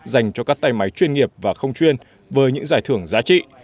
dành cho các tay máy chuyên nghiệp và không chuyên với những giải thưởng giá trị